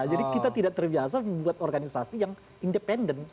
jadi kita tidak terbiasa membuat organisasi yang independen